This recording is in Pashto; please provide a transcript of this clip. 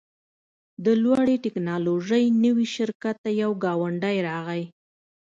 د لوړې ټیکنالوژۍ نوي شرکت ته یو ګاونډی راغی